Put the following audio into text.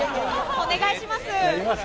お願いします。